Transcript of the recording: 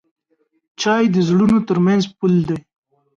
چای د زړونو ترمنځ پل دی.